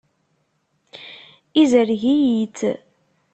Izreg-iyi-tt.